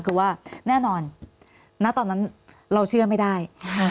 คือว่าแน่นอนณตอนนั้นเราเชื่อไม่ได้